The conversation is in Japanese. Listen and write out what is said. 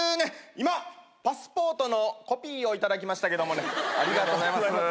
今パスポートのコピーをいただきましたけどもねありがとうございます